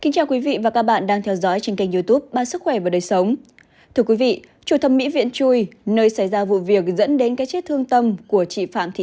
các bạn hãy đăng ký kênh để ủng hộ kênh của chúng mình nhé